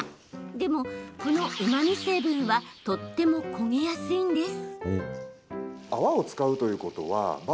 でも、このうまみ成分はとっても焦げやすいんです。